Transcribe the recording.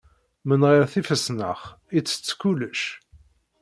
Menɣir tifesnax, ittett kullec.